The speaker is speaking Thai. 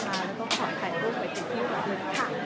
แล้วก็ขอถ่ายรูปไว้ที่ที่สุดค่ะ